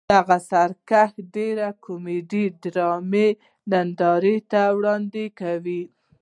دغه سرکس ډېرې کومیډي ډرامې نندارې ته وړاندې کوي.